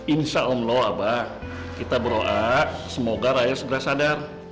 insya allah abah kita berdoa semoga rakyat segera sadar